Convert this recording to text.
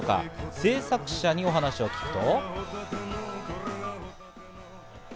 製作者にお話を聞くと。